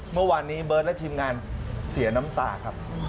เมื่อวานนี้เบิร์ตและทีมงานเสียน้ำตาครับ